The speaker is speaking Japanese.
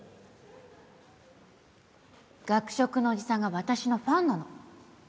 学食のおじさんが私のファンなの